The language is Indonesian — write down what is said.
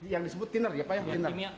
yang disebut thinner ya pak ya